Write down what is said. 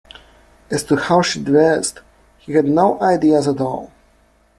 As to how she dressed, he had no ideas at all.